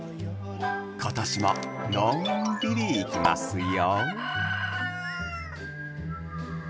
ことしも、のんびり行きますよ。